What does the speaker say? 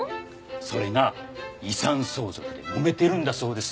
それが遺産相続でもめてるんだそうです。